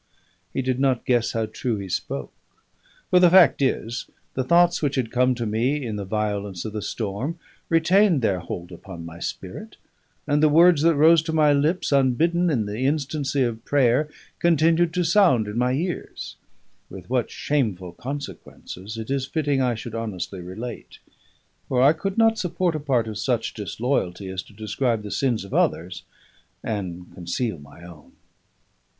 He did not guess how true he spoke! For the fact is, the thoughts which had come to me in the violence of the storm retained their hold upon my spirit; and the words that rose to my lips unbidden in the instancy of prayer continued to sound in my ears: with what shameful consequences it is fitting I should honestly relate; for I could not support a part of such disloyalty as to describe the sins of others and conceal my own.